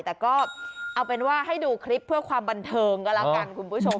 แต่ก็เอาเป็นว่าให้ดูคลิปเพื่อความบันเทิงก็แล้วกันคุณผู้ชม